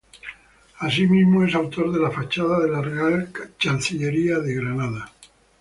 Asimismo es autor de la fachada de la Real Chancillería de Granada.